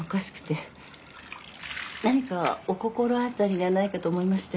何かお心当たりがないかと思いまして。